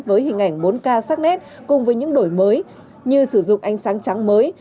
với hình ảnh bốn k sắc nét cùng với những đổi mới như sử dụng ánh sáng trắng mới